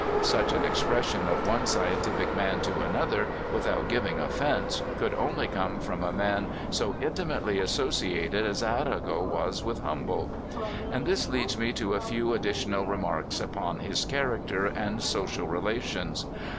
Such, an expression of one scientific man to another, without giving offense, could only come from a man so intimately associated as Arago was with Humboldt And this leads me to a few addi tional remarks upon his character and social relations.